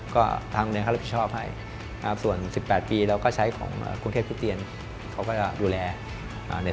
ก็ทางข้านุญาค์คัฤทธิบิทชอบให้